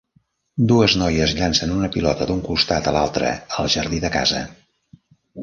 Dues noies llancen una pilota d'un costat a l'altre al jardí de casa.